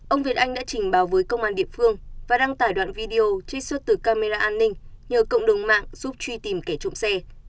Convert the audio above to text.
ông việt anh đã trình báo với công an địa phương và đăng tải đoạn video trích xuất từ camera an ninh nhờ cộng đồng mạng giúp truy tìm kẻ trộm xe